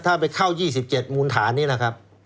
ถ้าไปเข้า๒๗มูลฐานนี้นะครับ